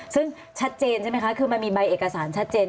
ซึ่งชัดเจนใช่ไหมคะคือมันมีใบเอกสารชัดเจน